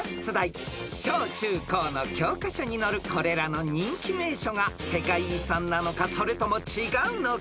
［小中高の教科書に載るこれらの人気名所が世界遺産なのかそれとも違うのか］